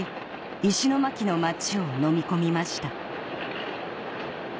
石巻の町をのみ込みました